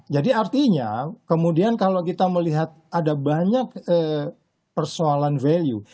jadi artinya kemudian kalau kita melihat ada banyak persoalan value